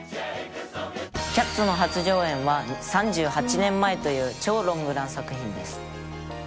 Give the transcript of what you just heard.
「『キャッツ』の初上演は３８年前という超ロングラン作品です」